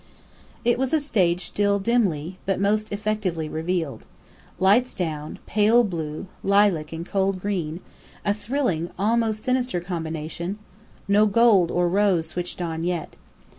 It was a stage still dimly, but most effectively revealed: lights down: pale blue, lilac and cold green; a thrilling, almost sinister combination: no gold or rose switched on yet.